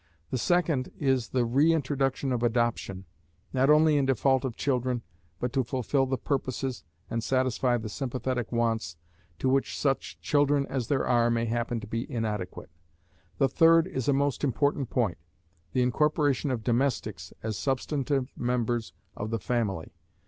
The second is the re introduction of adoption, not only in default of children, but to fulfil the purposes, and satisfy the sympathetic wants, to which such children as there are may happen to be inadequate. The third is a most important point the incorporation of domestics as substantive members of the family.